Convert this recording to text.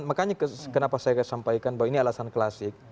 makanya kenapa saya sampaikan bahwa ini alasan klasik